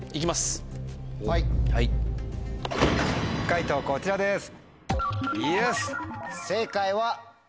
解答こちらです。